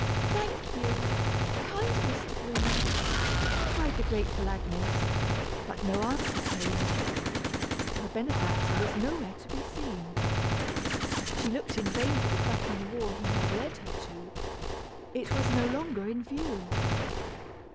"Thank you, kind Mr. Blue Mouse," cried the grateful Agnes; but no answer came. Her benefactor was nowhere to be seen. She looked in vain for the crack in the wall he had led her to; it was no longer in view.